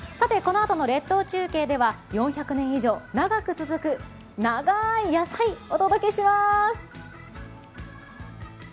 このあとの列島中継では４００年以上長く続く長い野菜、お届けします。